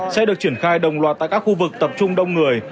sẽ được triển khai đồng loạt tại các khu vực tập trung đông người